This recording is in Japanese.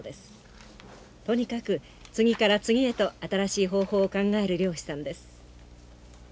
とにかく次から次へと新しい方法を考える漁師さんです。